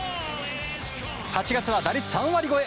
８月は打率３割超え